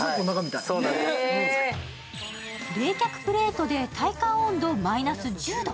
冷却プレートで体感温度マイナス１０度。